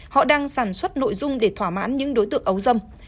họ đang sản xuất nội dung để thỏa mãn những đối tượng ấu dâm